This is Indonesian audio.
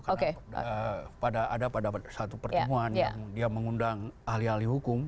karena ada pada satu pertemuan yang dia mengundang ahli ahli hukum